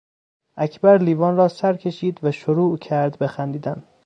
اکبر لیوان را سر کشید و شروع کرد به خندیدن.